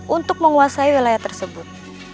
untuk menguasai wilayah tersebut